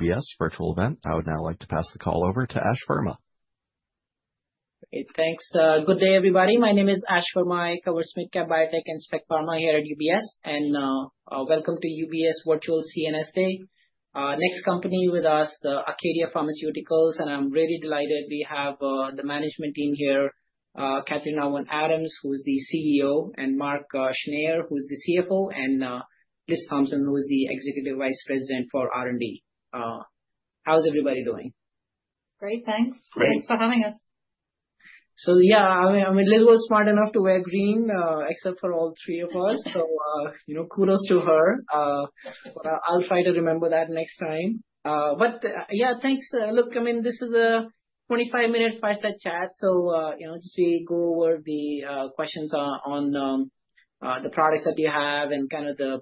UBS virtual event. I would now like to pass the call over to Ash Verma. Great, thanks. Good day, everybody. My name is Ash Verma. I cover SMID Cap Biotech and Spec Pharma here at UBS, and welcome to UBS Virtual CNS Day. Next company with us, Acadia Pharmaceuticals, and I'm really delighted we have the management team here: Catherine Owen Adams, who's the CEO, and Mark Schneyer, who's the CFO, and Liz Thompson, who's the Executive Vice President for R&D. How's everybody doing? Great, thanks. Thanks for having us. Yeah, I mean, Liz was smart enough to wear green, except for all three of us, so kudos to her. I'll try to remember that next time. Yeah, thanks. Look, I mean, this is a 25-minute fireside chat, so just we go over the questions on the products that you have and kind of the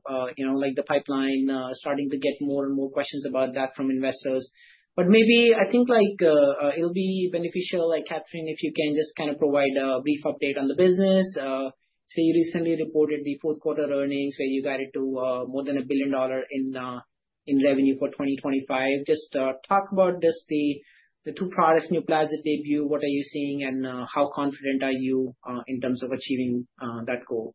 pipeline, starting to get more and more questions about that from investors. Maybe I think it'll be beneficial, Catherine, if you can just kind of provide a brief update on the business. You recently reported the fourth quarter earnings, where you guided to more than $1 billion in revenue for 2025. Just talk about just the two products, new plans at DAYBUE. What are you seeing, and how confident are you in terms of achieving that goal?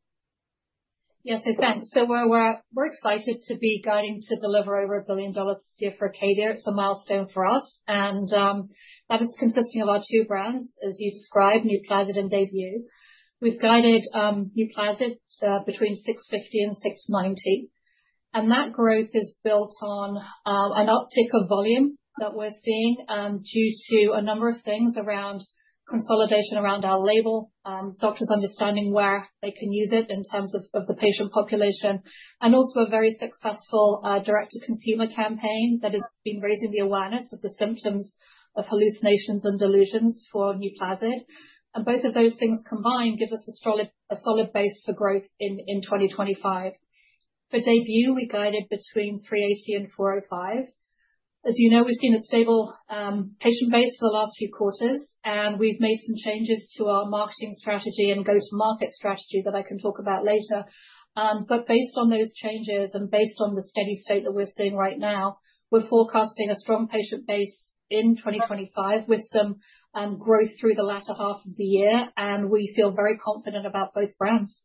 Yeah, so thanks. We're excited to be guiding to deliver over $1 billion this year for Acadia. It's a milestone for us, and that is consisting of our two brands, as you described, NUPLAZID and DAYBUE. We've guided NUPLAZID between $650 million and $690 million, and that growth is built on an uptick of volume that we're seeing due to a number of things around consolidation around our label, doctors understanding where they can use it in terms of the patient population, and also a very successful direct-to-consumer campaign that has been raising the awareness of the symptoms of hallucinations and delusions for NUPLAZID. Both of those things combined give us a solid base for growth in 2025. For DAYBUE, we guided between $380 million and $405 million. As you know, we've seen a stable patient base for the last few quarters, and we've made some changes to our marketing strategy and go-to-market strategy that I can talk about later. Based on those changes and based on the steady state that we're seeing right now, we're forecasting a strong patient base in 2025 with some growth through the latter half of the year, and we feel very confident about both brands.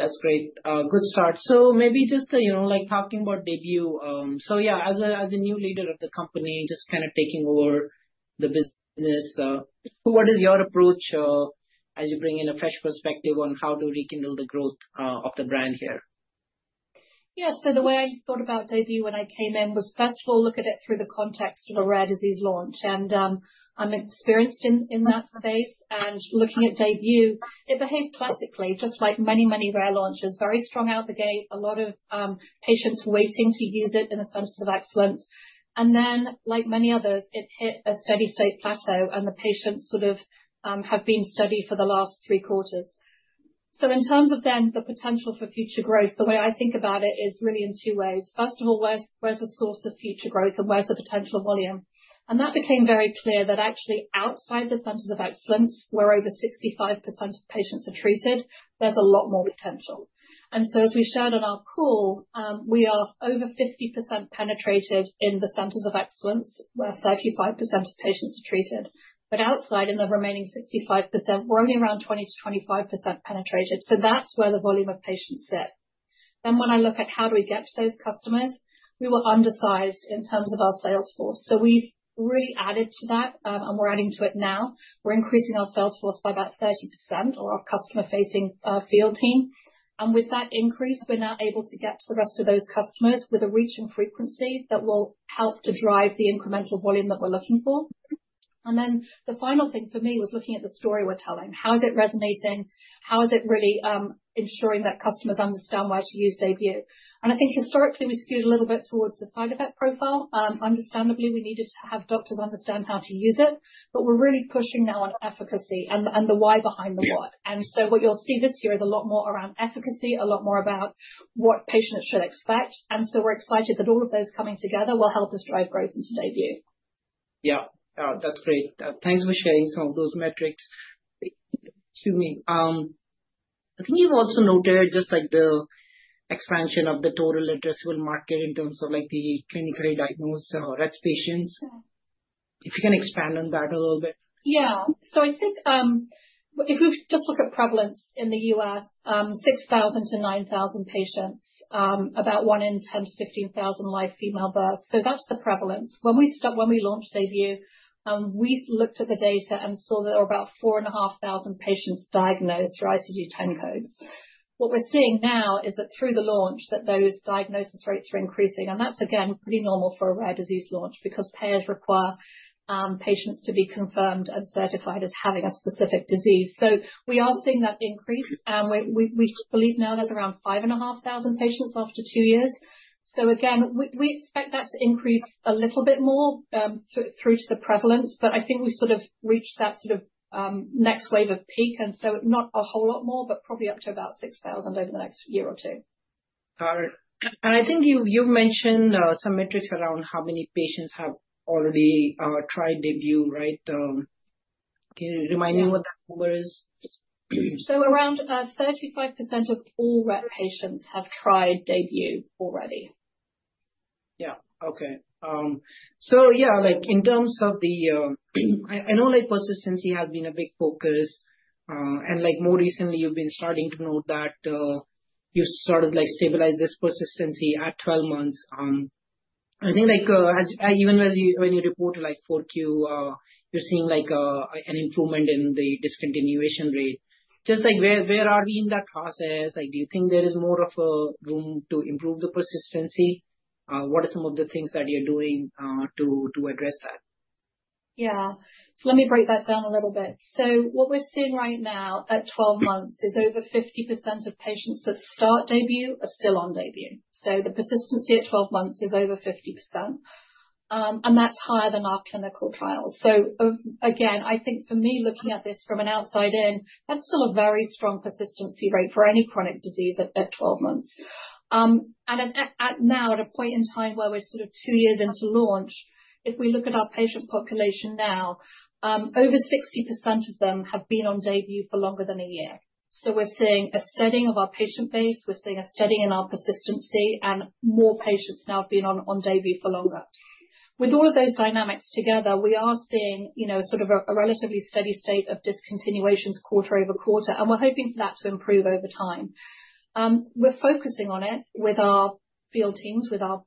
That's great. Good start. Maybe just talking about DAYBUE. Yeah, as a new leader of the company, just kind of taking over the business, what is your approach as you bring in a fresh perspective on how to rekindle the growth of the brand here? Yeah, so the way I thought about DAYBUE when I came in was, first of all, look at it through the context of a rare disease launch. And I'm experienced in that space, and looking at DAYBUE, it behaved classically, just like many, many rare launches, very strong out the gate, a lot of patients waiting to use it in the Centers of Excellence. And then, like many others, it hit a steady state plateau, and the patients sort of have been steady for the last three quarters. So in terms of then the potential for future growth, the way I think about it is really in two ways. First of all, where's the source of future growth, and where's the potential volume? And that became very clear that actually outside the Centers of Excellence, where over 65% of patients are treated, there's a lot more potential. As we shared on our call, we are over 50% penetrated in the Centers of Excellence, where 35% of patients are treated. Outside, in the remaining 65%, we're only around 20-25% penetrated. That is where the volume of patients sit. When I look at how we get to those customers, we were undersized in terms of our sales force. We have really added to that, and we're adding to it now. We're increasing our sales force by about 30%, or our customer-facing field team. With that increase, we're now able to get to the rest of those customers with a reach and frequency that will help to drive the incremental volume that we're looking for. The final thing for me was looking at the story we're telling. How is it resonating? How is it really ensuring that customers understand why to use DAYBUE? I think historically we skewed a little bit towards the side effect profile. Understandably, we needed to have doctors understand how to use it, but we're really pushing now on efficacy and the why behind the what. What you'll see this year is a lot more around efficacy, a lot more about what patients should expect. We're excited that all of those coming together will help us drive growth into DAYBUE. Yeah, that's great. Thanks for sharing some of those metrics. Excuse me. I think you've also noted just the expansion of the total addressable market in terms of the clinically diagnosed Rett patients. If you can expand on that a little bit. Yeah, so I think if we just look at prevalence in the U.S., 6,000-9,000 patients, about one in 10,000 to 15,000 live female births. So that's the prevalence. When we launched DAYBUE, we looked at the data and saw that there were about 4,500 patients diagnosed through ICD-10 codes. What we're seeing now is that through the launch that those diagnosis rates are increasing, and that's, again, pretty normal for a rare disease launch because payers require patients to be confirmed and certified as having a specific disease. We are seeing that increase, and we believe now there's around 5,500 patients after two years. Again, we expect that to increase a little bit more through to the prevalence, but I think we've sort of reached that sort of next wave of peak, and so not a whole lot more, but probably up to about 6,000 over the next year or two. I think you've mentioned some metrics around how many patients have already tried DAYBUE, right? Can you remind me what that number is? Around 35% of all rare patients have tried DAYBUE already. Yeah, okay. Yeah, in terms of the I know persistency has been a big focus, and more recently you've been starting to note that you've sort of stabilized this persistency at 12 months. I think even when you report to 4Q, you're seeing an improvement in the discontinuation rate. Just where are we in that process? Do you think there is more of a room to improve the persistency? What are some of the things that you're doing to address that? Yeah, let me break that down a little bit. What we're seeing right now at 12 months is over 50% of patients that start DAYBUE are still on DAYBUE. The persistency at 12 months is over 50%, and that's higher than our clinical trials. I think for me, looking at this from an outside in, that's still a very strong persistency rate for any chronic disease at 12 months. Now at a point in time where we're sort of two years into launch, if we look at our patient population now, over 60% of them have been on DAYBUE for longer than a year. We're seeing a steadying of our patient base, we're seeing a steadying in our persistency, and more patients now have been on DAYBUE for longer. With all of those dynamics together, we are seeing sort of a relatively steady state of discontinuations quarter over quarter, and we're hoping for that to improve over time. We're focusing on it with our field teams, with our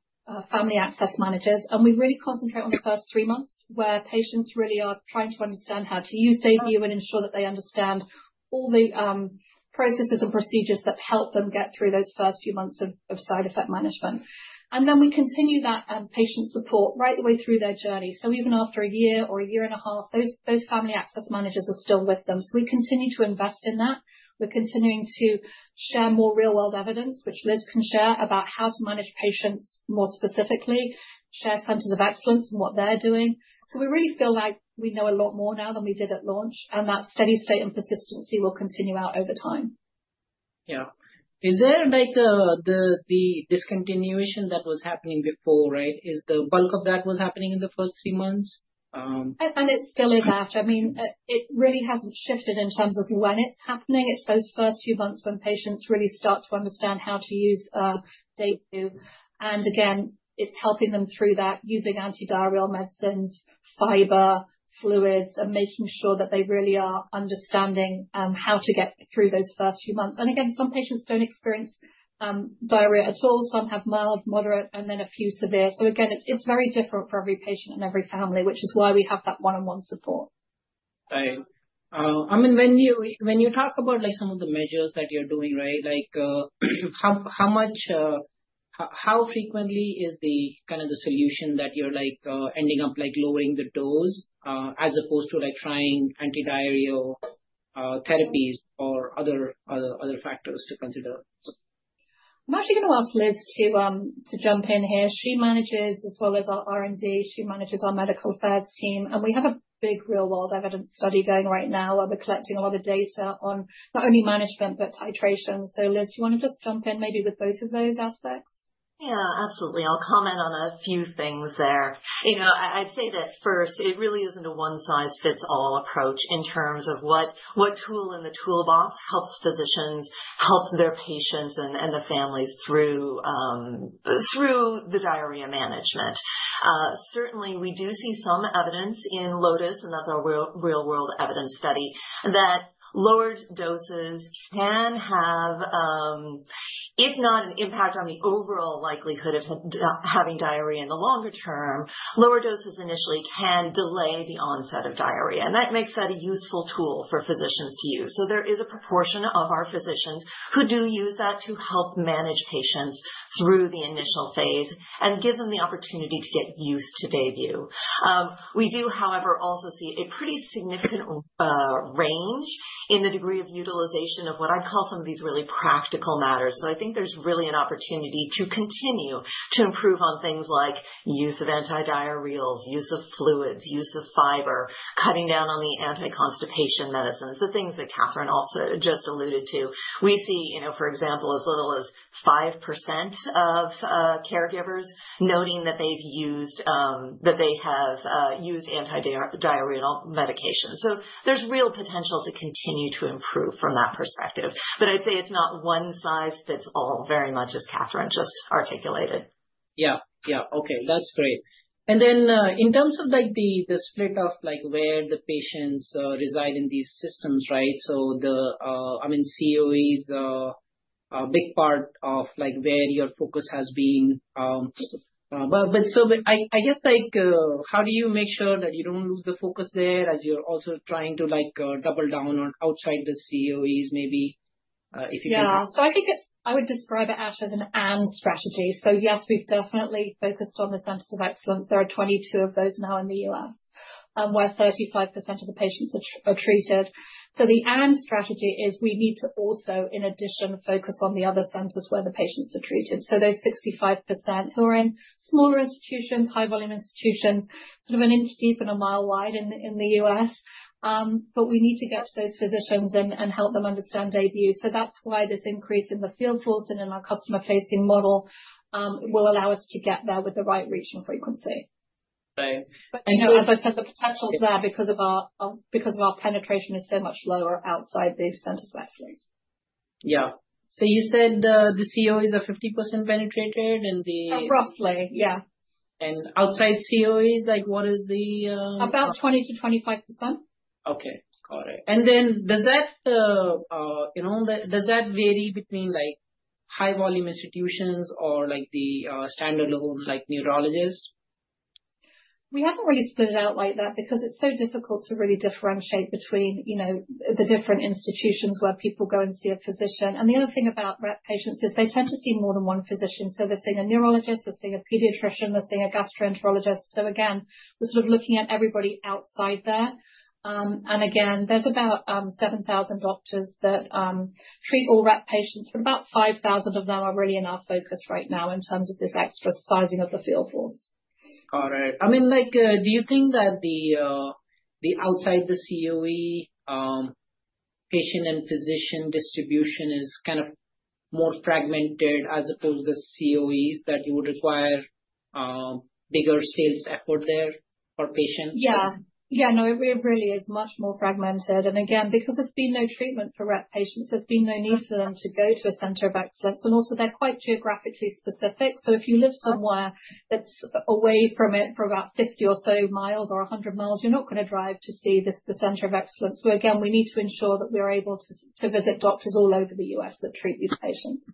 Family Access Managers, and we really concentrate on the first three months where patients really are trying to understand how to use DAYBUE and ensure that they understand all the processes and procedures that help them get through those first few months of side effect management. We continue that patient support right the way through their journey. Even after a year or a year and a half, those Family Access Managers are still with them. We continue to invest in that. We're continuing to share more real-world evidence, which Liz can share about how to manage patients more specifically, share Centers of Excellence and what they're doing. We really feel like we know a lot more now than we did at launch, and that steady state and persistency will continue out over time. Yeah. Is there the discontinuation that was happening before, right? Is the bulk of that was happening in the first three months? It still is after. I mean, it really hasn't shifted in terms of when it's happening. It's those first few months when patients really start to understand how to use DAYBUE. I mean, it's helping them through that, using antidiarrheal medicines, fiber, fluids, and making sure that they really are understanding how to get through those first few months. Some patients don't experience diarrhea at all. Some have mild, moderate, and then a few severe. It is very different for every patient and every family, which is why we have that one-on-one support. Right. I mean, when you talk about some of the measures that you're doing, right, how frequently is the kind of the solution that you're ending up lowering the dose as opposed to trying antidiarrheal therapies or other factors to consider? I'm actually going to ask Liz to jump in here. She manages, as well as our R&D, she manages our medical affairs team, and we have a big real-world evidence study going right now where we're collecting a lot of data on not only management, but titration. So Liz, do you want to just jump in maybe with both of those aspects? Yeah, absolutely. I'll comment on a few things there. I'd say that first, it really isn't a one-size-fits-all approach in terms of what tool in the toolbox helps physicians help their patients and the families through the diarrhea management. Certainly, we do see some evidence in LOTUS, and that's our real-world evidence study, that lowered doses can have, if not an impact on the overall likelihood of having diarrhea in the longer term, lower doses initially can delay the onset of diarrhea. That makes that a useful tool for physicians to use. There is a proportion of our physicians who do use that to help manage patients through the initial phase and give them the opportunity to get used to DAYBUE. We do, however, also see a pretty significant range in the degree of utilization of what I'd call some of these really practical matters. I think there's really an opportunity to continue to improve on things like use of antidiarrheals, use of fluids, use of fiber, cutting down on the anti-constipation medicines, the things that Catherine also just alluded to. We see, for example, as little as 5% of caregivers noting that they have used antidiarrheal medication. There's real potential to continue to improve from that perspective. I'd say it's not one-size-fits-all very much, as Catherine just articulated. Yeah, yeah. Okay, that's great. In terms of the split of where the patients reside in these systems, right? I mean, Centers of Excellence is a big part of where your focus has been. I guess how do you make sure that you do not lose the focus there as you are also trying to double down on outside the Centers of Excellence, maybe if you can? Yeah, so I think I would describe it actually as an AND strategy. Yes, we've definitely focused on the Centers of Excellence. There are 22 of those now in the U.S., where 35% of the patients are treated. The AND strategy is we need to also, in addition, focus on the other centers where the patients are treated. Those 65% who are in smaller institutions, high-volume institutions, sort of an inch deep and a mile wide in the U.S. We need to get to those physicians and help them understand DAYBUE. That's why this increase in the field force and in our customer-facing model will allow us to get there with the right reach and frequency. Right. As I said, the potential's there because our penetration is so much lower outside the Centers of Excellence. Yeah. You said the COEs are 50% penetrated and the. Roughly, yeah. Outside COEs, what is the? About 20%-25%. Okay, got it. Does that vary between high-volume institutions or the standalone neurologist? We haven't really split it out like that because it's so difficult to really differentiate between the different institutions where people go and see a physician. The other thing about rare patients is they tend to see more than one physician. They're seeing a neurologist, they're seeing a pediatrician, they're seeing a gastroenterologist. We're sort of looking at everybody outside there. There's about 7,000 doctors that treat all rare patients, but about 5,000 of them are really in our focus right now in terms of this extra sizing of the field force. Got it. I mean, do you think that the outside the COE patient and physician distribution is kind of more fragmented as opposed to the COEs, that you would require bigger sales effort there for patients? Yeah, yeah, no, it really is much more fragmented. Again, because there's been no treatment for rare patients, there's been no need for them to go to a Center of Excellence. Also, they're quite geographically specific. If you live somewhere that's away from it for about 50 or so mi or 100 mi, you're not going to drive to see the Center of Excellence. We need to ensure that we are able to visit doctors all over the U.S. that treat these patients.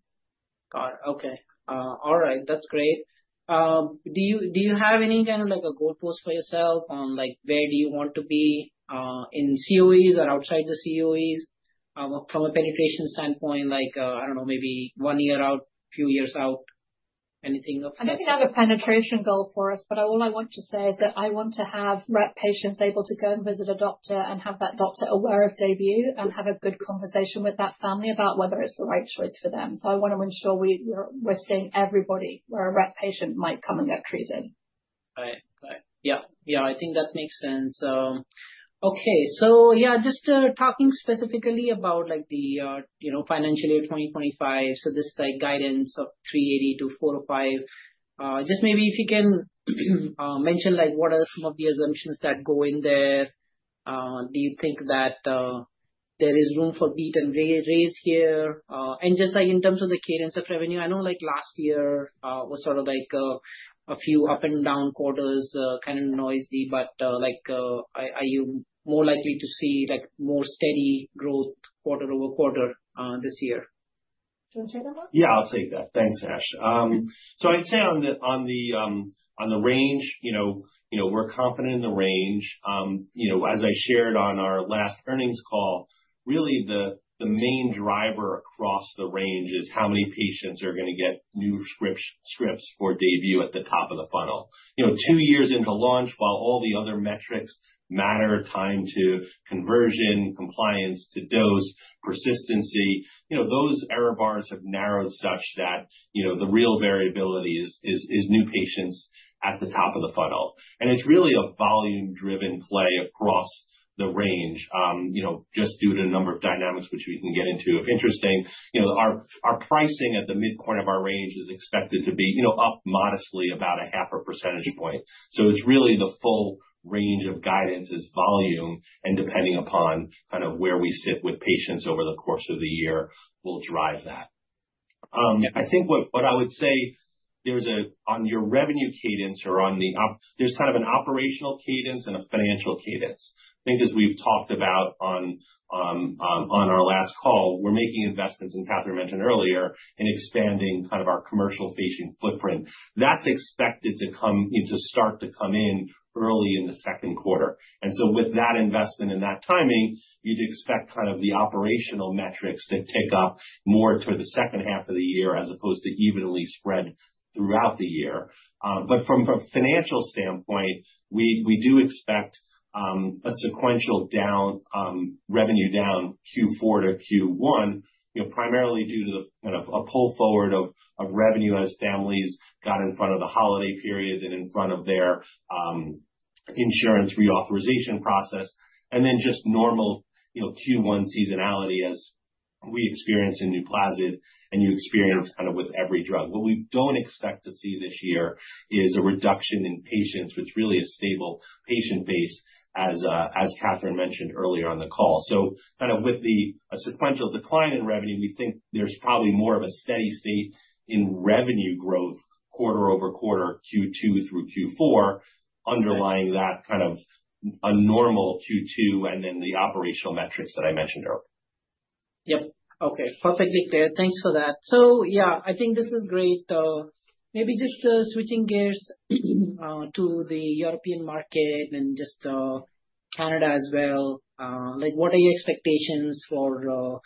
Got it. Okay. All right, that's great. Do you have any kind of a goal post for yourself on where do you want to be in COEs or outside the COEs from a penetration standpoint? I don't know, maybe one year out, a few years out, anything of that? I don't think I have a penetration goal for us, but all I want to say is that I want to have rare patients able to go and visit a doctor and have that doctor aware of DAYBUE and have a good conversation with that family about whether it's the right choice for them. I want to ensure we're seeing everybody where a rare patient might come and get treated. Right, right. Yeah, yeah, I think that makes sense. Okay, just talking specifically about the financial year 2025, this guidance of $380-$405, just maybe if you can mention what are some of the assumptions that go in there? Do you think that there is room for beat and raise here? Just in terms of the cadence of revenue, I know last year was sort of a few up and down quarters, kind of noisy, but are you more likely to see more steady growth quarter over quarter this year? Do you want to take that one? Yeah, I'll take that. Thanks, Ash. I'd say on the range, we're confident in the range. As I shared on our last earnings call, really the main driver across the range is how many patients are going to get new scripts for DAYBUE at the top of the funnel. Two years into launch, while all the other metrics matter: time to conversion, compliance to dose, persistency, those error bars have narrowed such that the real variability is new patients at the top of the funnel. It's really a volume-driven play across the range, just due to a number of dynamics, which we can get into if interesting. Our pricing at the midpoint of our range is expected to be up modestly about a half a percentage point. It's really the full range of guidance is volume, and depending upon kind of where we sit with patients over the course of the year, we'll drive that. I think what I would say on your revenue cadence or on the there's kind of an operational cadence and a financial cadence. I think as we've talked about on our last call, we're making investments, and Catherine mentioned earlier, in expanding kind of our commercial-facing footprint. That's expected to start to come in early in the second quarter. With that investment and that timing, you'd expect kind of the operational metrics to tick up more toward the second half of the year as opposed to evenly spread throughout the year. From a financial standpoint, we do expect a sequential revenue down Q4 to Q1, primarily due to a pull forward of revenue as families got in front of the holiday period and in front of their insurance reauthorization process, and then just normal Q1 seasonality as we experience in NUPLAZID and you experience kind of with every drug. What we do not expect to see this year is a reduction in patients, which really is stable patient base, as Catherine mentioned earlier on the call. Kind of with the sequential decline in revenue, we think there is probably more of a steady state in revenue growth quarter over quarter, Q2 through Q4, underlying that kind of a normal Q2 and then the operational metrics that I mentioned earlier. Yep. Okay, perfectly clear. Thanks for that. I think this is great. Maybe just switching gears to the European market and just Canada as well. What are your expectations for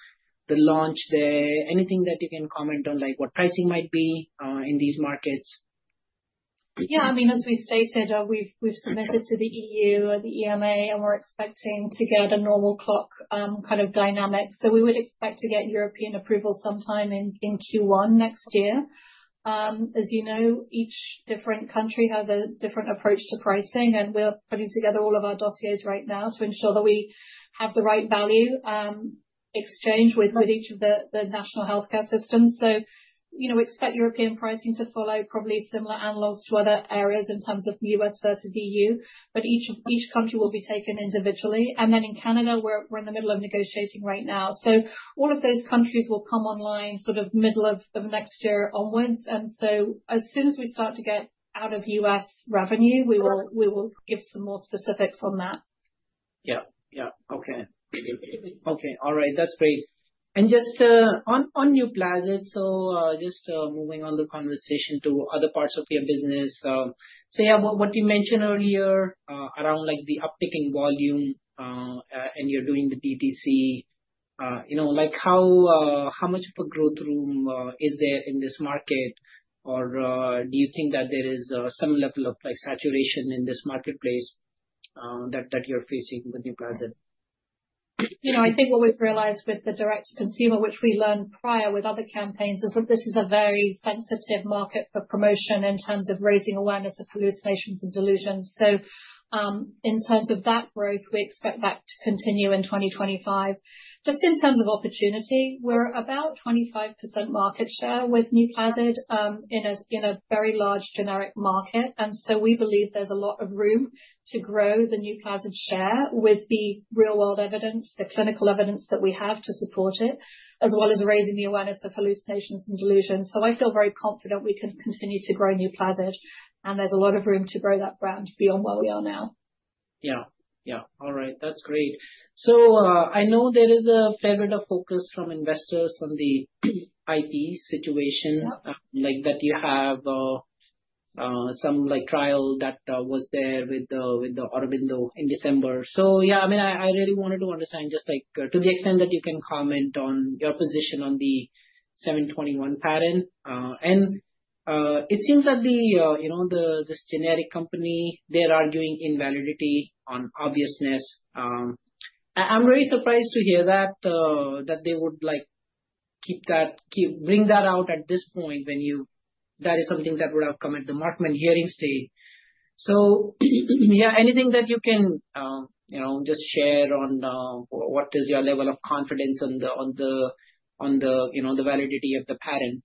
the launch there? Anything that you can comment on, what pricing might be in these markets? Yeah, I mean, as we stated, we've submitted to the EU or the EMA, and we're expecting to get a normal clock kind of dynamic. We would expect to get European approval sometime in Q1 next year. As you know, each different country has a different approach to pricing, and we're putting together all of our dossiers right now to ensure that we have the right value exchange with each of the national healthcare systems. We expect European pricing to follow probably similar analogs to other areas in terms of U.S. versus EU, but each country will be taken individually. In Canada, we're in the middle of negotiating right now. All of those countries will come online sort of middle of next year onwards. As soon as we start to get out of U.S. revenue, we will give some more specifics on that. Yep, yep. Okay. All right. That's great. Just on NUPLAZID, just moving on the conversation to other parts of your business. What you mentioned earlier around the uptick in volume and you're doing the DTC, how much of a growth room is there in this market? Do you think that there is some level of saturation in this marketplace that you're facing with NUPLAZID? I think what we've realized with the direct-to-consumer, which we learned prior with other campaigns, is that this is a very sensitive market for promotion in terms of raising awareness of hallucinations and delusions. In terms of that growth, we expect that to continue in 2025. Just in terms of opportunity, we're about 25% market share with NUPLAZID in a very large generic market. We believe there's a lot of room to grow the NUPLAZID share with the real-world evidence, the clinical evidence that we have to support it, as well as raising the awareness of hallucinations and delusions. I feel very confident we can continue to grow NUPLAZID, and there's a lot of room to grow that brand beyond where we are now. Yeah, yeah. All right. That's great. I know there is a fair bit of focus from investors on the IP situation, that you have some trial that was there with Aurobindo in December. I really wanted to understand just to the extent that you can comment on your position on the 721 patent. It seems that this generic company, they're arguing invalidity on obviousness. I'm very surprised to hear that they would bring that out at this point when that is something that would have come at the Markman hearing stage. Anything that you can just share on what is your level of confidence on the validity of the patent?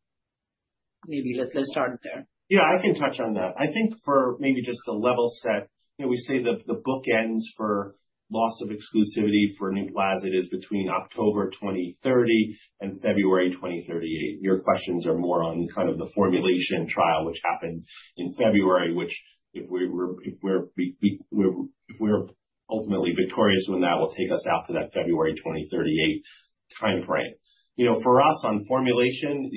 Maybe let's start there. Yeah, I can touch on that. I think for maybe just to level set, we say the bookends for loss of exclusivity for NUPLAZID is between October 2030 and February 2038. Your questions are more on kind of the formulation trial, which happened in February, which if we're ultimately victorious on that, will take us out to that February 2038 timeframe. For us, on formulation,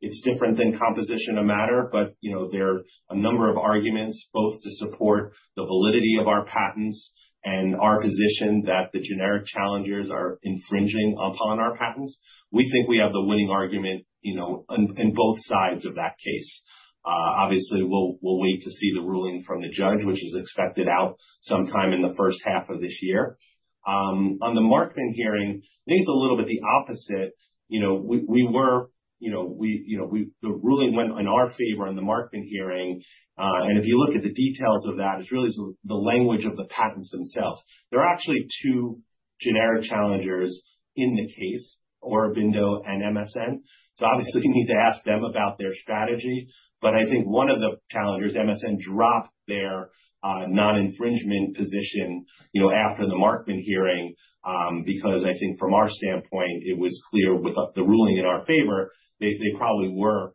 it's different than composition of matter, but there are a number of arguments both to support the validity of our patents and our position that the generic challengers are infringing upon our patents. We think we have the winning argument in both sides of that case. Obviously, we'll wait to see the ruling from the judge, which is expected out sometime in the first half of this year. On the Markman hearing, I think it's a little bit the opposite. We were the ruling went in our favor in the Markman hearing. If you look at the details of that, it's really the language of the patents themselves. There are actually two generic challengers in the case, Aurobindo and MSN. Obviously, we need to ask them about their strategy. I think one of the challengers, MSN, dropped their non-infringement position after the Markman hearing because I think from our standpoint, it was clear with the ruling in our favor, they probably were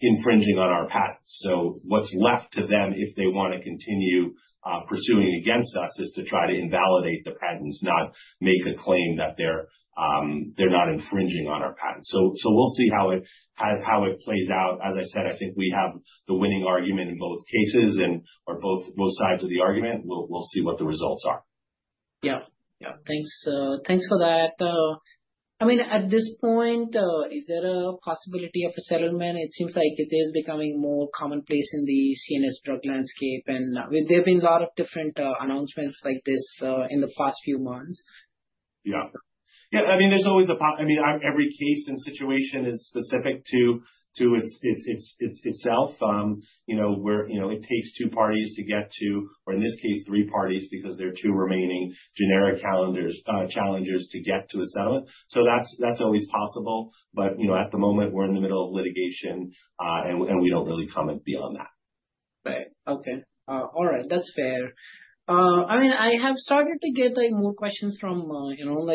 infringing on our patents. What's left to them if they want to continue pursuing against us is to try to invalidate the patents, not make a claim that they're not infringing on our patents. We'll see how it plays out. As I said, I think we have the winning argument in both cases or both sides of the argument. We'll see what the results are. Yeah, yeah. Thanks for that. I mean, at this point, is there a possibility of a settlement? It seems like it is becoming more commonplace in the CNS drug landscape. There have been a lot of different announcements like this in the past few months. Yeah. Yeah, I mean, there's always a, I mean, every case and situation is specific to itself. It takes two parties to get to, or in this case, three parties because there are two remaining generic challengers to get to a settlement. That is always possible. At the moment, we're in the middle of litigation, and we don't really comment beyond that. Right. Okay. All right. That's fair. I mean, I have started to get more questions from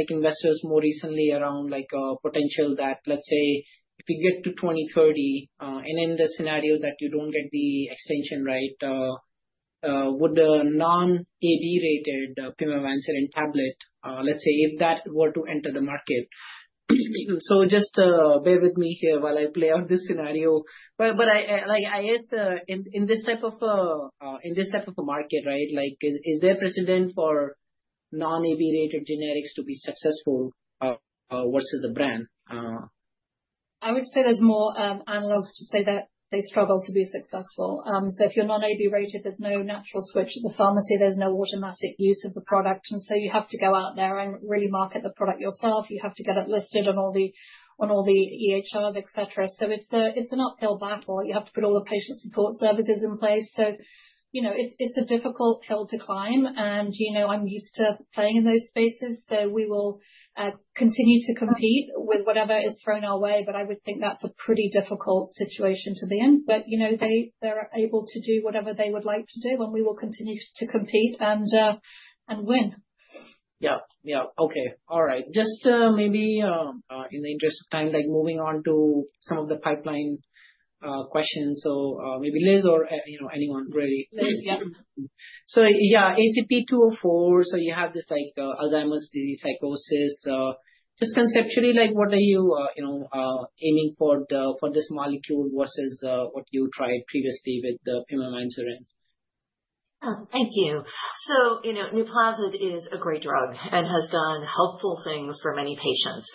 investors more recently around potential that, let's say, if you get to 2030, and in the scenario that you don't get the extension right, would the non-AB rated pimavanserin tablet, let's say, if that were to enter the market? Just bear with me here while I play out this scenario. I guess in this type of a market, right, is there precedent for non-AB rated generics to be successful versus a brand? I would say there's more analogs to say that they struggle to be successful. If you're non-AB rated, there's no natural switch at the pharmacy. There's no automatic use of the product. You have to go out there and really market the product yourself. You have to get it listed on all the EHRs, etc. It is an uphill battle. You have to put all the patient support services in place. It is a difficult hill to climb. I'm used to playing in those spaces. We will continue to compete with whatever is thrown our way. I would think that's a pretty difficult situation to be in. They're able to do whatever they would like to do, and we will continue to compete and win. Yeah, yeah. Okay. All right. Just maybe in the interest of time, moving on to some of the pipeline questions. Maybe Liz or anyone, really. Liz, yeah. Yeah, ACP-204. You have this Alzheimer's disease psychosis. Just conceptually, what are you aiming for this molecule versus what you tried previously with the pimavanserin? Thank you. NUPLAZID is a great drug and has done helpful things for many patients.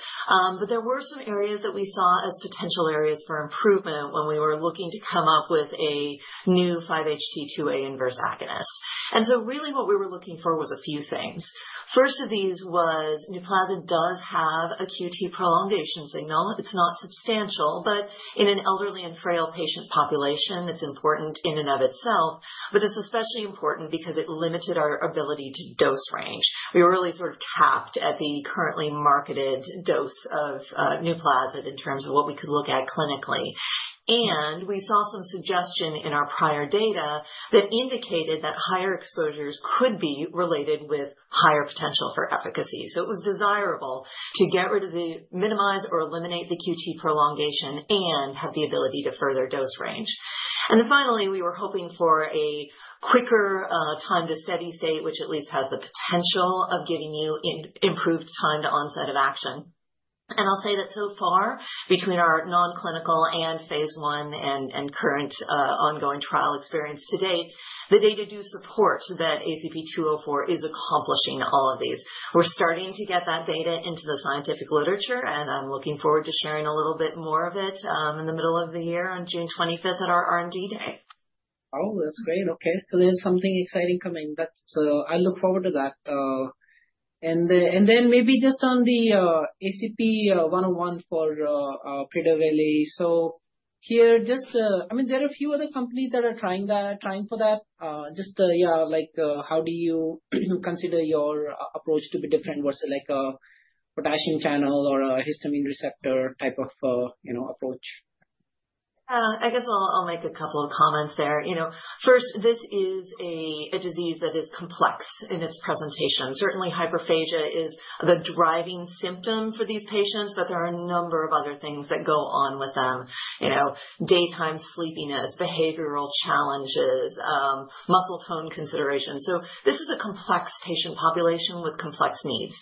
There were some areas that we saw as potential areas for improvement when we were looking to come up with a new 5-HT2A inverse agonist. Really what we were looking for was a few things. First of these was NUPLAZID does have a QT prolongation signal. It's not substantial, but in an elderly and frail patient population, it's important in and of itself. It's especially important because it limited our ability to dose range. We were really sort of capped at the currently marketed dose of NUPLAZID in terms of what we could look at clinically. We saw some suggestion in our prior data that indicated that higher exposures could be related with higher potential for efficacy. It was desirable to get rid of the minimize or eliminate the QT prolongation and have the ability to further dose range. Finally, we were hoping for a quicker time to steady state, which at least has the potential of giving you improved time to onset of action. I'll say that so far, between our non-clinical and phase one and current ongoing trial experience to date, the data do support that ACP-204 is accomplishing all of these. We're starting to get that data into the scientific literature, and I'm looking forward to sharing a little bit more of it in the middle of the year on June 25th at our R&D Day. Oh, that's great. Okay. There's something exciting coming. I look forward to that. Maybe just on the ACP-101 for Prader-Willi. Here, I mean, there are a few other companies that are trying for that. Just, yeah, how do you consider your approach to be different versus a potassium channel or a histamine receptor type of approach? I guess I'll make a couple of comments there. First, this is a disease that is complex in its presentation. Certainly, hyperphagia is the driving symptom for these patients, but there are a number of other things that go on with them: daytime sleepiness, behavioral challenges, muscle tone considerations. This is a complex patient population with complex needs.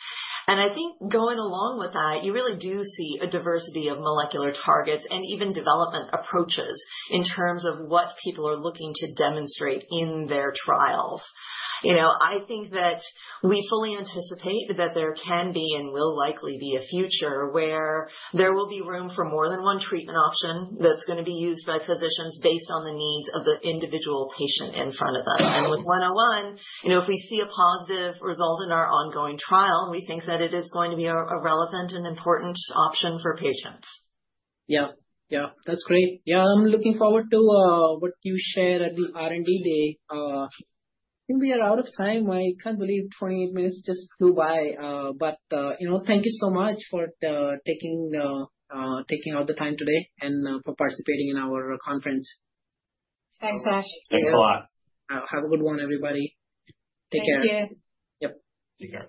I think going along with that, you really do see a diversity of molecular targets and even development approaches in terms of what people are looking to demonstrate in their trials. I think that we fully anticipate that there can be and will likely be a future where there will be room for more than one treatment option that's going to be used by physicians based on the needs of the individual patient in front of them. If we see a positive result in our ongoing trial, we think that it is going to be a relevant and important option for patients. Yeah, yeah. That's great. Yeah. I'm looking forward to what you share at the R&D Day. I think we are out of time. I can't believe 28 minutes just flew by. Thank you so much for taking out the time today and for participating in our conference. Thanks, Ash. Thanks a lot. Have a good one, everybody. Take care. Thank you. Yep. Take care.